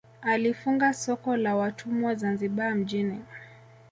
Alifunga soko la watumwa Zanzibar mjini